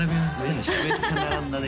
めちゃめちゃ並んだね